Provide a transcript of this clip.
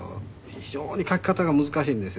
非常に描き方が難しいんですよ。